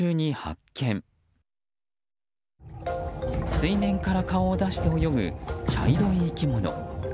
水面から顔を出して泳ぐ茶色い生き物。